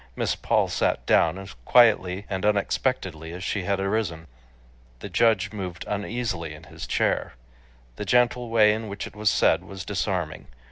Miss Paul sat down as quietly and unexpectedly as she had arisen. The judge moved uneasily in his chair. The gentle way in which it was said was disarming.